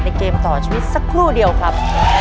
เกมต่อชีวิตสักครู่เดียวครับ